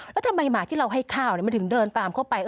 แล้วทำไมหมาที่เราให้ข้าวมันถึงเดินตามเข้าไป